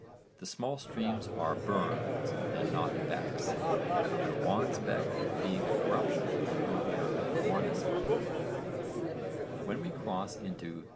The small streams are 'burns' and not 'becks,' the Wansbeck being a corruption of an earlier Wanespike. When we cross into co.